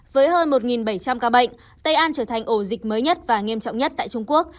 với hơn một bảy trăm linh ca bệnh tây an trở thành ổ dịch mới nhất và nghiêm trọng nhất tại trung quốc